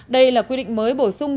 đây là quy định mới bổ sung